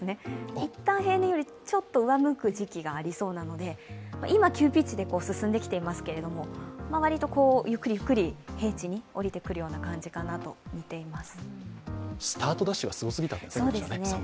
いったん平年よりちょっと上向く時期がありそうなので今、急ピッチで進んできていますけれども、割とゆっくりゆっくり平地に下りてくるような感じかなと思います。